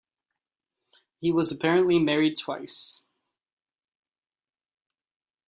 He was apparently married twice.